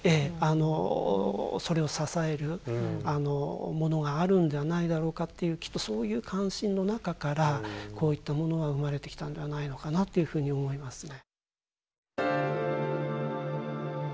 それを支えるものがあるんではないだろうかっていうきっとそういう関心の中からこういったものが生まれてきたんではないのかなっていうふうに思いますね。